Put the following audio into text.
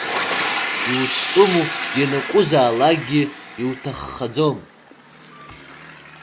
Иуцәтәыму ианакәзаалакгьы иуҭаххаӡом.